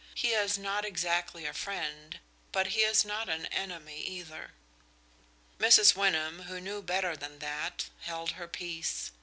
"He is not exactly a friend, but he is not an enemy either." Mrs. Wyndham, who knew better than that, held her peace.